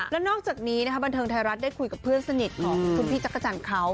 แล้วนอกจากนี้บรรทางไทยรัฐได้คุยกับเพื่อนสนิทของคุณพี่จักรจันเค้า